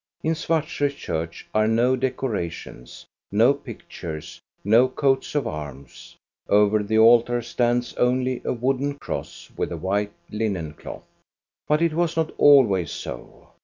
In Svartsjo church are no ' decorations, no pictures, no coats of arms. Over the altar stands only a wooden cross with a white linen cloth. But it was not always so.